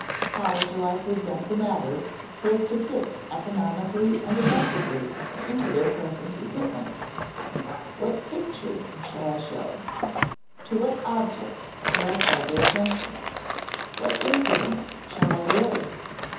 How shall I present the matter so as to fit economically and effectively into their present equipment? What pictures shall I show? To what objects shall I call their attention? What incidents shall I relate?